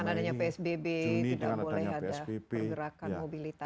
dengan adanya psbb tidak boleh ada pergerakan mobilitas